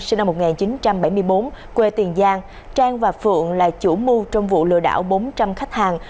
sinh năm một nghìn chín trăm bảy mươi bốn quê tiền giang trang và phượng là chủ mưu trong vụ lừa đảo bốn trăm linh khách hàng